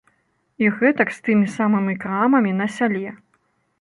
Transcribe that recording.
І гэтак з тымі самымі крамамі на сяле.